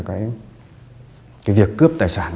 cái việc cướp tài sản